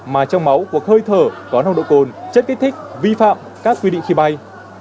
mà trong máu của hơi thở có nồng độ cồn chất kích thích vi phạm các quy định khi bay